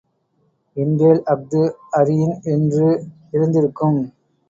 இன்றேல் அஃது அறியின் என்று இருந்திருக்கும்.